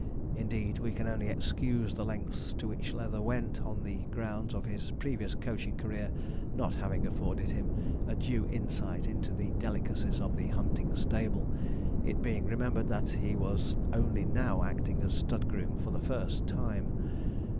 Indeed, we can only excuse the lengths to which Leather went, on the ground of his previous coaching career not having afforded him a due insight into the delicacies of the hunting stable; it being remembered that he was only now acting as stud groom for the first time.